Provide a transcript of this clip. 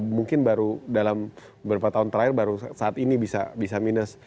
mungkin baru dalam beberapa tahun terakhir baru saat ini bisa minus